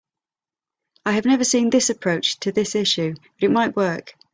I have never seen this approach to this issue, but it might work.